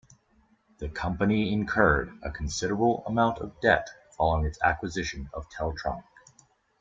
The company incurred a considerable amount of debt following its acquisition of Teltronic.